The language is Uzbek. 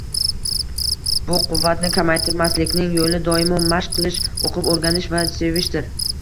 Bu quvvatni kamaytirmaslikning yo’li doimo mashq qilish, o’qib-o’rganish va sevishdir.